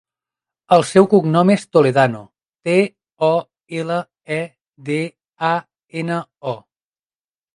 El seu cognom és Toledano: te, o, ela, e, de, a, ena, o.